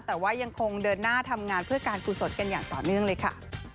แต่ว่ายังคงเดินหน้าทำงานเพื่อการกุศลกันอย่างต่อเนื่องเลยค่ะ